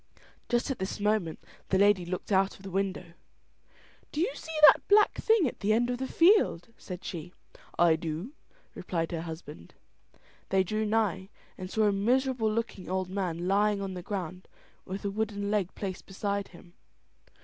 Just at this moment the lady looked out of the window. "Do you see that black thing at the end of the field?" said she. "I do," replied her husband. They drew nigh, and saw a miserable looking old man lying on the ground with a wooden leg placed beside him.